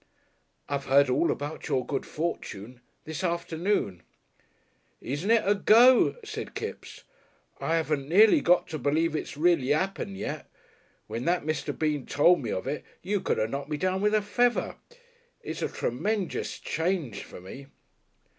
"I've heard all about your good fortune this afternoon." "Isn't it a Go!" said Kips. "I 'aven't nearly got to believe its reely 'appened yet. When that Mr. Bean told me of it you could 'ave knocked me down with a feather.... It's a tremenjous change for me."